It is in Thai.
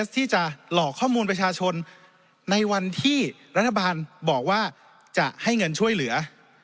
ที่จะหลอกข้อมูลประชาชนในวันที่รัฐบาลบอกว่าจะให้เงินช่วยเหลือ